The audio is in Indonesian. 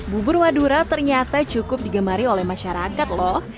bubur madura ternyata cukup digemari oleh masyarakat loh